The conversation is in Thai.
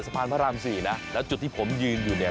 พระรามสี่นะแล้วจุดที่ผมยืนอยู่เนี่ย